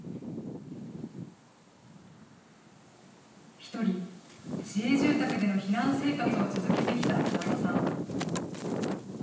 一人、市営住宅での避難生活を続けてきた田中さん。